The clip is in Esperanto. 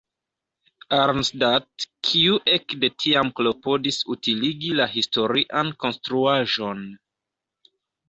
Arnstadt" kiu ekde tiam klopodis utiligi la historian konstruaĵon.